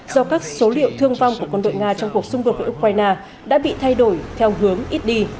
do các số liệu thương vong của quân đội nga trong cuộc xung đột với ukraine đã bị thay đổi theo hướng ít đi